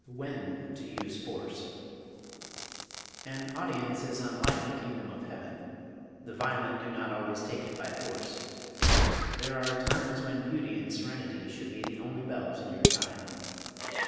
When to Use Force An audience is unlike the kingdom of heaven the violent do not always take it by force. There are times when beauty and serenity should be the only bells in your chime.